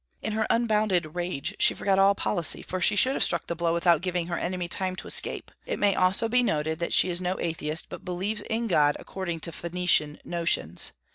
In her unbounded rage she forgot all policy, for she should have struck the blow without giving her enemy time to escape. It may also be noted that she is no atheist, but believes in God according to Phoenician notions.